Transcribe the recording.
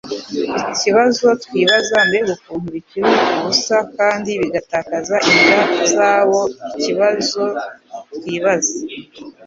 ikibazo twibaza mbega ukuntu bikiri ubusa kandi bigatakaza inda zabo!ikibazo twibaza